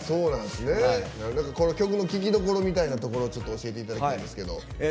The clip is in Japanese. この曲の聴きどころみたいなところちょっと教えていただきたいんですけど。